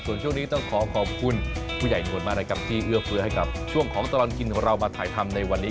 ส่วนช่วงนี้ต้องขอขอบคุณผู้ใหญ่นวลมากนะครับที่เอื้อเฟื้อให้กับช่วงของตลอดกินของเรามาถ่ายทำในวันนี้